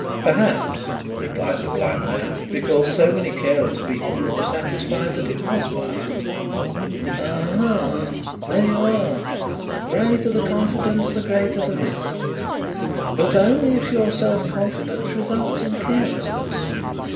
"Perhaps," replied the blind man, "because so many careless people were satisfied that it was fireproof." "Ah ha, there you are the greater the confidence the greater the risk. But only if your self confidence results in carelessness.